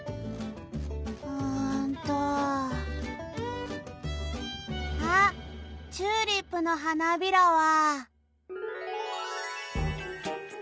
・うんとあっチューリップのはなびらは。